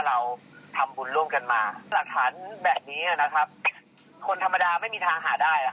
แล้วจะมีอย่างไรก็จะปีศาจมาก